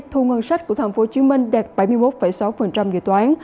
thu ngân sách của tp hcm đạt bảy mươi một sáu dự toán